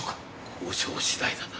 交渉次第だな。